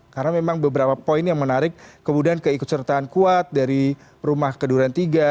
karena memang beberapa poin yang menarik kemudian keikutsertaan kuat dari rumah keduran tiga